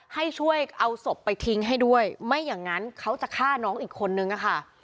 ให้ช่วยเอาศพไปทิ้งให้ด้วยไม่อย่างนั้นเขาจะฆ่าน้องอีกคนนึงอะค่ะ